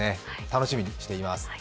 楽しみにしています。